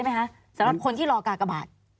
สำหรับเอาออกรากระบาด